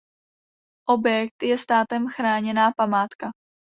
Objekt je státem chráněná památka.